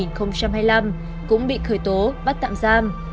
nhiệm kỳ hai nghìn hai mươi hai nghìn hai mươi năm cũng bị khởi tố bắt tạm giam